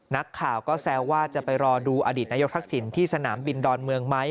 นักข่าวก็แซวว่าจะไปรอดูอดีตนายกทักษิณที่สนามบินดอนเมืองไหม